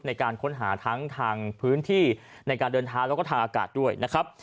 ในการค้นหาทั้งทางพื้นที่ในการเดินเท้าแล้วก็ทางอากาศด้วยนะครับ